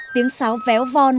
tiếng sáo véo von